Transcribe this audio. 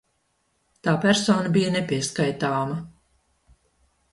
Tā persona bija nepieskaitāma!